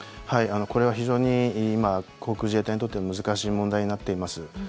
これは非常に今、航空自衛隊にとっても難しい問題になっています。